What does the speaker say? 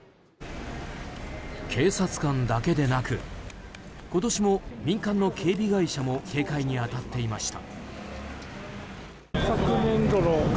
警察官だけでなく今年も民間の警備会社も警戒に当たっていました。